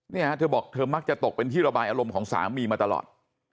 เธอบอกเธอมักจะตกเป็นที่ระบายอารมณ์ของสามีมาตลอด